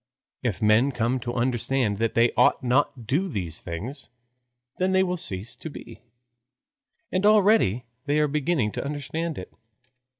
If men come to understand that they ought not to do these things, then they will cease to be. And already they are beginning to understand it.